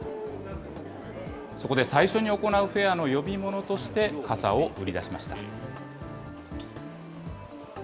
そこで最初に行うフェアの呼び物として、傘を売り出しました。